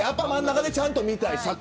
真ん中でちゃんと見たい。